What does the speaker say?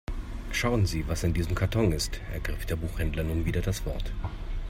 "Schauen Sie, was in diesem Karton ist", ergriff der Buchhändler nun wieder das Wort.